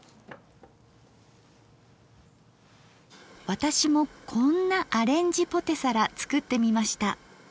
私もこんなアレンジポテサラ作ってみました。